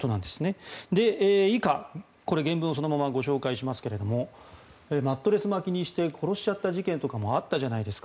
以下、原文をそのまま紹介しますがマットレス巻きにして殺してしまった事件もあったじゃないですか